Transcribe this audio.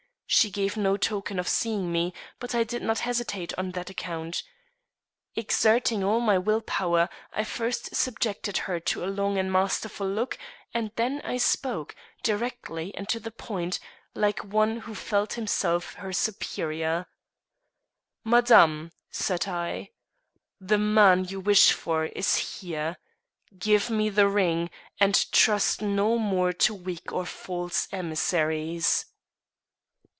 She gave no token of seeing me; but I did not hesitate on that account. Exerting all my will power, I first subjected her to a long and masterful look, and then I spoke, directly and to the point, like one who felt himself her superior, "Madame," said I, "the man you wish for is here. Give me the ring, and trust no more to weak or false emissaries."